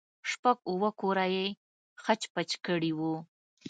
شپږ اوه کوره يې خچ پچ کړي وو.